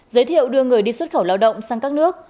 giới thiệu đưa người đi xuất khẩu lao động sang các nước